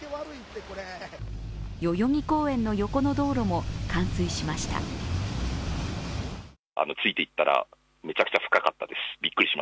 代々木公園の横の道路も冠水しました。